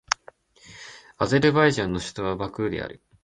アゼルバイジャンの首都はバクーである